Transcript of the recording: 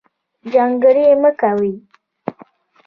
جنګرې مۀ کوئ